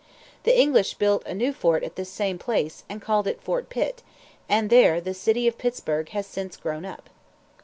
The English built a new fort at the same place, and called it Fort Pitt; and there the city of Pittsburg has since grown up.